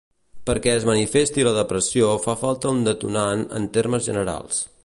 Perquè es manifesti la depressió fa falta un detonant en termes generals.